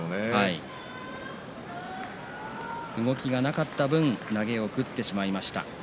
輝は動きがなかった分投げを食ってしまいました。